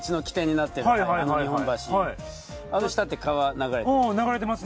あの下って川流れてる。